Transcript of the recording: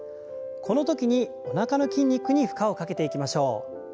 このときにおなかの筋肉に負荷をかけていきましょう。